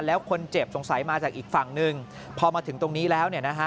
แล้วคนเจ็บสงสัยมาจากอีกฝั่งหนึ่งพอมาถึงตรงนี้แล้วเนี่ยนะฮะ